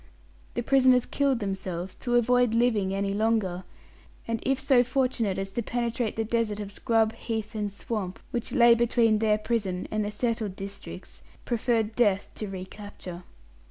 The prisoners killed themselves to avoid living any longer, and if so fortunate as to penetrate the desert of scrub, heath, and swamp, which lay between their prison and the settled districts, preferred death to recapture.